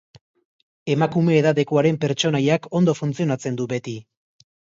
Emakume edadekoaren pertsonaiak ondo funtzionatzen du beti.